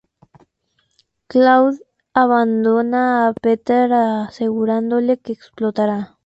Claude abandona a Peter asegurándole que explotará.